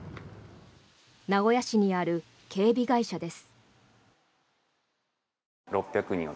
名古屋市にある警備会社です。